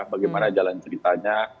bagaimana jalan ceritanya